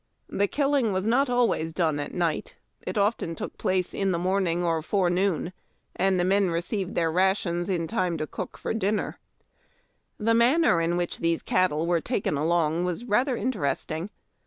The killing was not always done at night. It often took place in the morning or forenoon, and the men received their rations in time to cook for dinner. The manner in which these cattle were taken along was rather interesting.